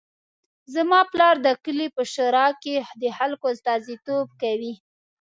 زما پلار د کلي په شورا کې د خلکو استازیتوب کوي